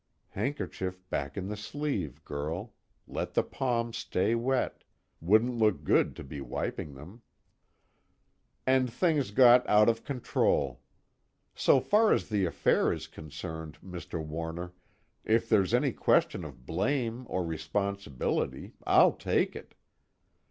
Handkerchief back in the sleeve, girl let the palms stay wet, wouldn't look good to be wiping them. "And things got out of control. So far as the affair is concerned, Mr. Warner, if there's any question of blame or responsibility, I'll take it.